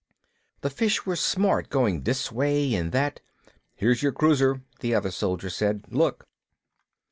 The fish were smart, going this way and that " "Here's your cruiser," the other soldier said. "Look!"